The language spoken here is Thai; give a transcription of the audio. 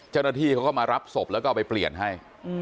เจ้าหน้าที่เขาก็มารับศพแล้วก็เอาไปเปลี่ยนให้